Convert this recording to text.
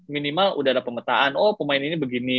minimal udah ada pemetaan oh pemain ini begini